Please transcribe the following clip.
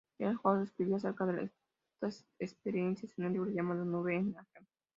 Ter Horst escribió acerca de estas experiencias en un libro llamado "Nube en Arnhem".